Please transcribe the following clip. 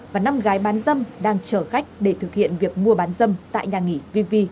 và năm gái bán dâm đang chở khách để thực hiện việc mua bán dâm tại nhà nghỉ vv